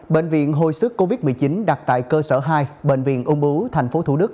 bệnh viện hồi sức covid một mươi chín đặt tại cơ sở hai bệnh viện úng bú thành phố thủ đức